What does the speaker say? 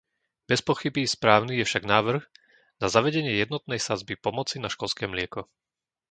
Bezpochyby správny je však návrh na zavedenie jednotnej sadzby pomoci na školské mlieko.